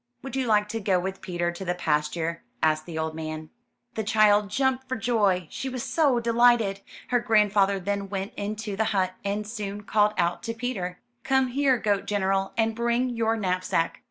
''Would you like to go with Peter to the pasture?'' asked the old man. 277 MY BOOK HOUSE The child jumped for joy, she was so delighted. Her grandfather then went into the hut, and soon called out to Peter: '*Come here, goat general, and bring your knapsack.'